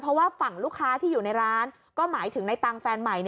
เพราะว่าฝั่งลูกค้าที่อยู่ในร้านก็หมายถึงในตังค์แฟนใหม่